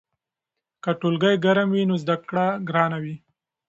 که ټولګی ګرم وي نو زده کړه ګرانه وي.